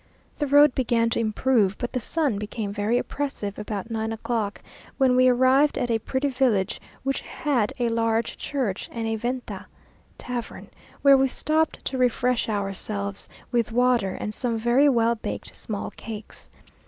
The road began to improve, but the sun became very oppressive about nine o'clock, when we arrived at a pretty village, which had a large church and a venta (tavern), where we stopped to refresh ourselves with water and some very well baked small cakes.